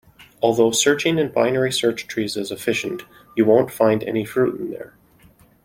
Although searching in binary search trees is efficient, you won't find any fruit in there.